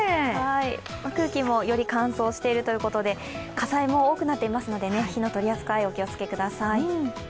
空気もより乾燥しているということで火災も多くなっていますので、火の取り扱いご注意ください。